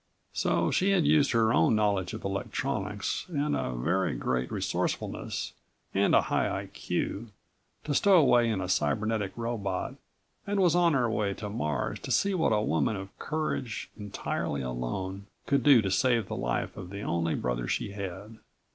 So she had used her own knowledge of electronics and a very great resourcefulness and a high I.Q. to stow away in a cybernetic robot and was on her way to Mars to see what a woman of courage, entirely alone, could do to save the life of the only brother she had.